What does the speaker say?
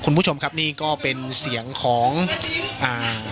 ปกติพี่สาวเราเนี่ยครับเปล่าครับเปล่าครับเปล่าครับเปล่าครับ